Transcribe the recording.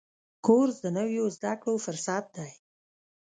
کورس د نویو زده کړو فرصت دی.